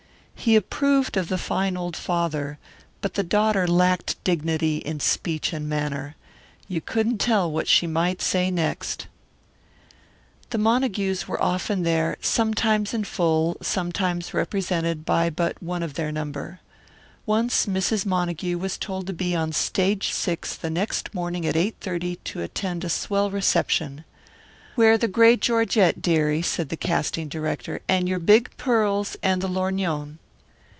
He approved of the fine old father, but the daughter lacked dignity in speech and manner. You couldn't tell what she might say next. The Montagues were often there, sometimes in full, sometimes represented by but one of their number. Once Mrs. Montague was told to be on Stage Six the next morning at 8:30 to attend a swell reception. "Wear the gray georgette, dearie," said the casting director, "and your big pearls and the lorgnon."